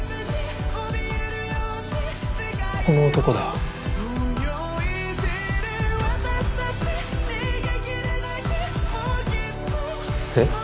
この男だ。え？